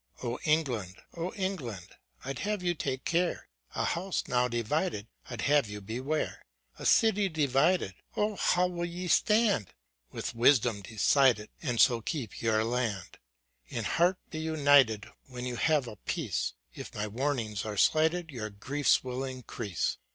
O England, O England, I'd have you take carcj A home now divided I'd have y< >u beware ; A city divided, oh ! hv>w will ye stand ? With wisdom decide ;t, aids keep y ur iand. In heart be united ; when you have a peace, If my warnings are slighted yom griefs, will increase.